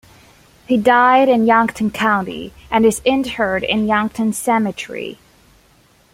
He died in Yankton County and is interred in Yankton Cemetery.